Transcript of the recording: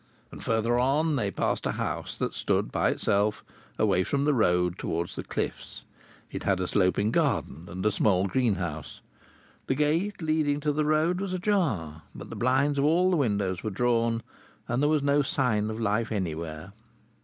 And further on they passed a house that stood by itself away from the road towards the cliffs. It had a sloping garden and a small greenhouse. The gate leading to the road was ajar, but the blinds of all the windows were drawn, and there was no sign of life anywhere.